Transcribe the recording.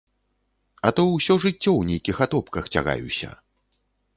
А то ўсё жыццё ў нейкіх атопках цягаюся!